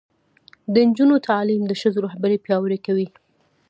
د نجونو تعلیم د ښځو رهبري پیاوړې کوي.